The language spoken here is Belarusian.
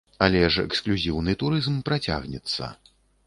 Але ж эксклюзіўны турызм працягнецца.